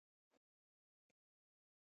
ځینې خلک یوازې ساده هکونه کاروي